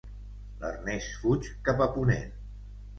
L'Ernest fuig cap a Ponent.